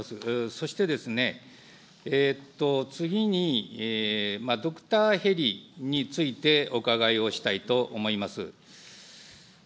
そしてですね、次にドクターヘリについてお伺いをしたいと思います。